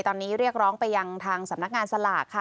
ตอนนี้เรียกร้องไปยังทางสำนักงานสลากค่ะ